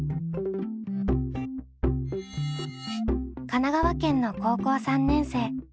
神奈川県の高校３年生みゆみゆ。